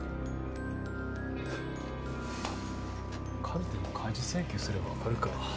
カルテの開示請求すれば分かるか。